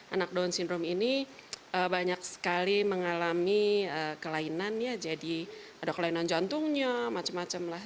anak down syndrome ini banyak sekali mengalami kelainan ya jadi ada kelainan jantungnya macem macem lah